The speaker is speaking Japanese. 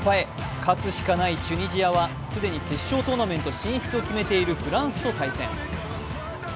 勝つしかないチュニジアは既に決勝トーナメント進出を決めているフランスと対戦。